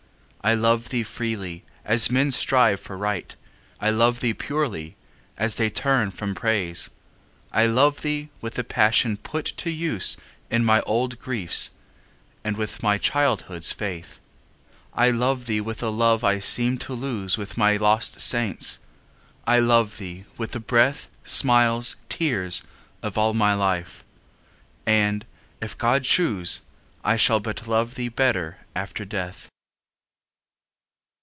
I love thee freely, as men strive for Right; I love thee purely, as they turn from Praise. I love thee with the passion put to use In my old griefs, and with my childhood's faith. I love thee with a love I seemed to lose With my lost saints,—I love thee with the breath, Smiles, tears, of all my life!—and, if God choose, I shall but love thee better after death.